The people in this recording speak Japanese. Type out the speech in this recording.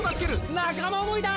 仲間想いだ！